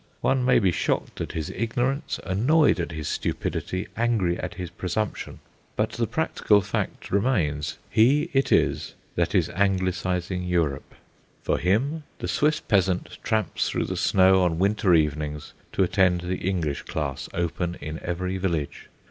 One may be shocked at his ignorance, annoyed at his stupidity, angry at his presumption. But the practical fact remains; he it is that is anglicising Europe. For him the Swiss peasant tramps through the snow on winter evenings to attend the English class open in every village.